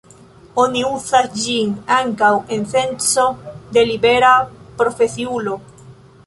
Oni uzas ĝin ankaŭ en senco de libera profesiulo.